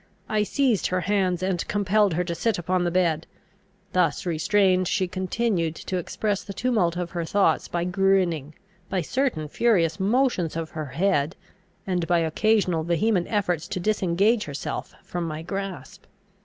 I seized her hands, and compelled her to sit upon the bed. Thus restrained, she continued to express the tumult of her thoughts by grinning, by certain furious motions of her head, and by occasional vehement efforts to disengage herself from my grasp.